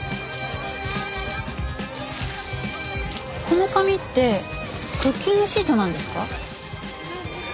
この紙ってクッキングシートなんですか？